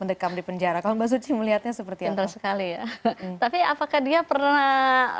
mendekam di penjara kalau mbak suji melihatnya seperti apa bersikap tapi apakah dia pernah